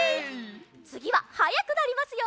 つぎははやくなりますよ！